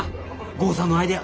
豪さんのアイデア